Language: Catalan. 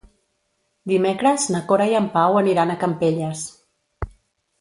Dimecres na Cora i en Pau aniran a Campelles.